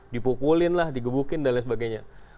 dipukulin lah digebukin dan lain sebagainya